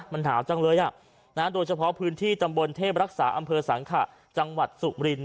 มันหนาวจังเลยโดยเฉพาะพื้นที่ตำบลเทพรักษาอำเภอสังขะจังหวัดสุมริน